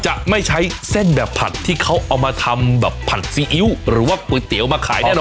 จะไม่ใช้เส้นแบบผัดที่เขาเอามาทำแบบผัดซีอิ๊วหรือว่าก๋วยเตี๋ยวมาขายแน่นอน